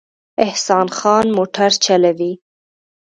احسان خان موټر چلوي